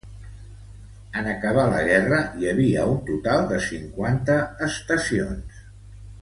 En acabar la guerra, hi havia un total de cinquanta estacions.